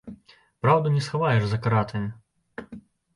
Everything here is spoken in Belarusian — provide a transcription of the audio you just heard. Праўду не схаваеш за кратамі!